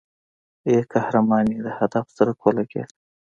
ای قهرمانې د هدف څرک ولګېد.